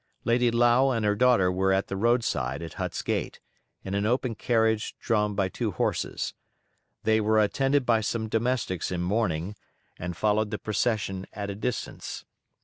Lady Lowe and her daughter were at the roadside at Hut's Gate, in an open carriage drawn by two horses. They were attended by some domestics in mourning, and followed the procession at a distance.